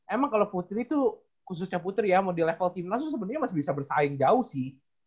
emang kalau putri itu khususnya putri ya mau di level timnas itu sebenarnya masih bisa bersaing jauh sih